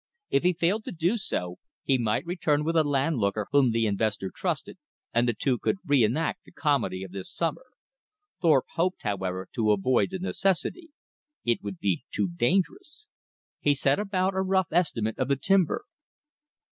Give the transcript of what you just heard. If he failed to do so, he might return with a landlooker whom the investor trusted, and the two could re enact the comedy of this summer. Thorpe hoped, however, to avoid the necessity. It would be too dangerous. He set about a rough estimate of the timber.